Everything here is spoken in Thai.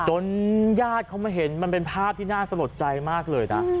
ญาติเขามาเห็นมันเป็นภาพที่น่าสะลดใจมากเลยนะ